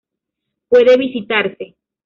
Puede visitarse.